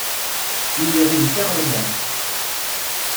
il y avait une perle blanche.